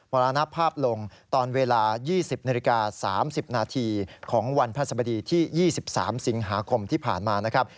รณภาพลงตอนเวลา๒๐นาฬิกา๓๐นาทีของวันพระสบดีที่๒๓สิงหาคมที่ผ่านมานะครับ